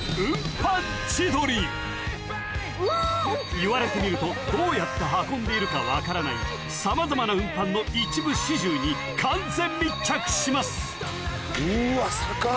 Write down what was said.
［言われてみるとどうやって運んでいるか分からない様々な運搬の一部始終に完全密着します］